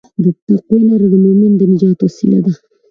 د تقوی لاره د مؤمن د نجات وسیله ده.